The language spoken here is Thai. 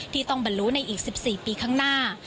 ที่ต้องบรรลุในอีก๑๔ปีข้างหน้า